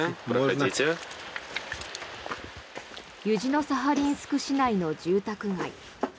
ユジノサハリンスク市内の住宅街。